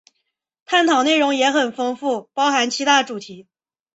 探讨内容也很丰富，包含七大主题